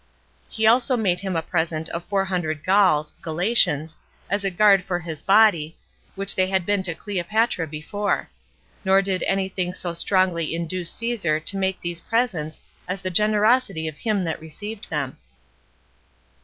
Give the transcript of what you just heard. He also made him a present of four hundred Galls [Galatians] as a guard for his body, which they had been to Cleopatra before. Nor did any thing so strongly induce Caesar to make these presents as the generosity of him that received them.